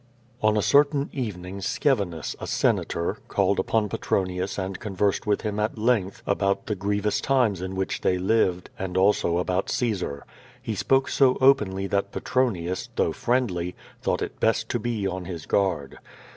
On a certain evening Scevinus, a Senator, called upon Petroniiis and conversed with him at length about the griev ous times in which they lived, and also about Caesar. He spoke so openly that Petronius, though friendly, thought it best to be on his guard.